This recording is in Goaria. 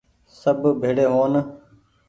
سب ڀيڙي هون ۔